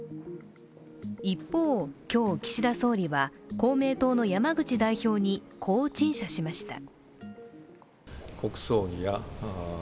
一方、今日、岸田総理は公明党の山口代表に、こう陳謝しました。